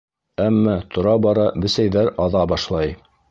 Әммә тора-бара бесәйҙәр аҙа башлай.